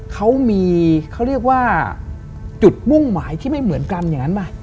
เขามีเขาเรียกว่าจุดมุ่งหมายที่ไม่เหมือนกันอย่างนั้นป่ะ